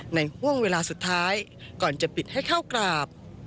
ห่วงเวลาสุดท้ายก่อนจะปิดให้เข้ากราบ